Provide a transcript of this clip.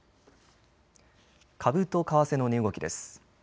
株と為替の値動きです。